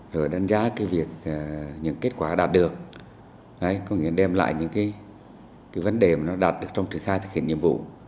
rồi đánh giá cái việc những kết quả đạt được có nghĩa đem lại những cái vấn đề mà nó đạt được trong triển khai thực hiện nhiệm vụ